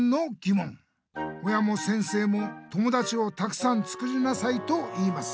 「親も先生も友だちをたくさんつりなさいと言います。